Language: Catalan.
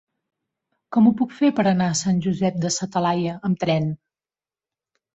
Com ho puc fer per anar a Sant Josep de sa Talaia amb tren?